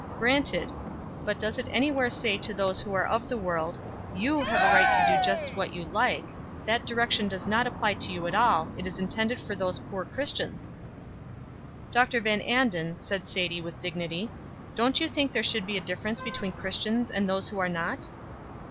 '" "Granted; but does it anywhere say to those who are of the world, 'You have a right to do just what you like; that direction does not apply to you at all, it is all intended for those poor Christians?'" "Dr. Van Anden," said Sadie with dignity, "don't you think there should be a difference between Christians and those who are not?"